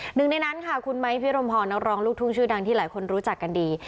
หนึ่งในนั้นค่ะคุณไม้พิรมพรนักร้องลูกทุ่งชื่อดังที่หลายคนรู้จักกันดี